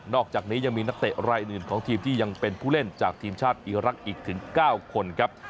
อกจากนี้ยังมีนักเตะรายอื่นของทีมที่ยังเป็นผู้เล่นจากทีมชาติอีรักษ์อีกถึง๙คนครับ